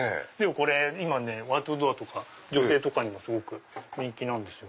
今ねアウトドアとか女性にはすごく人気なんですよ。